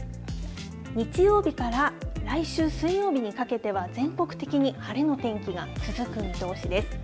日曜日から来週水曜日にかけては、全国的に晴れの天気が続く見通しです。